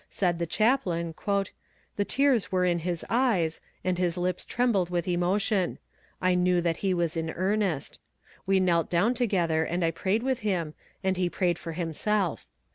Said the chaplain: "The tears were in his eyes, and his lips trembled with emotion. I knew that he was in earnest. We knelt down together and I prayed with him, and he prayed for himself.